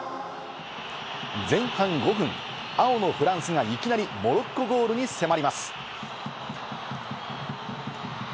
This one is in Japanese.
前半５分、青のフランスがいきなりモロッコゴールに迫ります。